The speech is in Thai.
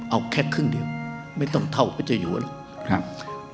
เอาแค่ครึ่งเดียวไม่ต้องเท่าพระเจ้าอยู่ครับ